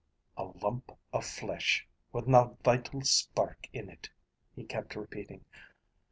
"'A lump of flesh with na vital spark in it,'" he kept repeating.